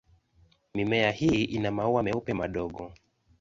Mimea hii ina maua meupe madogo.